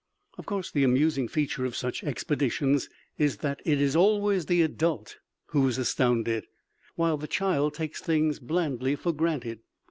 Of course, the amusing feature of such expeditions is that it is always the adult who is astounded, while the child takes things blandly for granted.